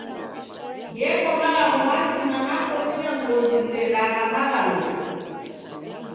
Gheko malagho mazima nakosi ya ngozi ghiredagha maghaluko.